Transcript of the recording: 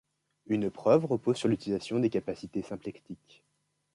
Une preuve repose sur l'utilisation des capacités symplectiques.